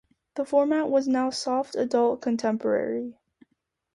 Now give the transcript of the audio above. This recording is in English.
The format was now soft adult contemporary.